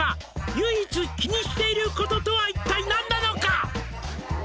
「唯一気にしていることとは一体何なのか」